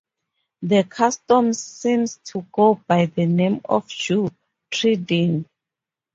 The custom seems to go by the name of "dew-treading".